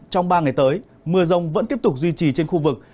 trong ba ngày tới mưa rông vẫn tiếp tục duy trì trên khu vực